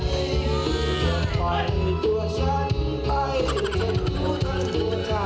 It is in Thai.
อยู่ต่อเลยได้ไหมของสิงโตนำโชค